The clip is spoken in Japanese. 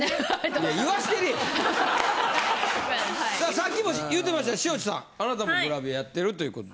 さっきも言うてましたね塩地さんあなたもグラビアやってるという事で。